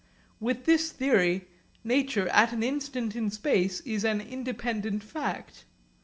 With this theory nature at an instant in space is an independent fact.